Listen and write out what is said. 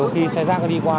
đào dưới đất nữa